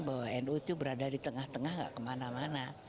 bahwa nu itu berada di tengah tengah gak kemana mana